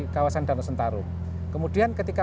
kawasan danau sentarung kemudian ketika